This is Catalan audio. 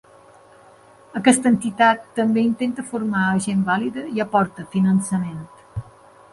Aquesta entitat també intenta formar a gent vàlida i aportar finançament.